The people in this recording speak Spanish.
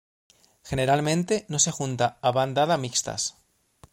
Generalmente no se junta a bandada mixtas.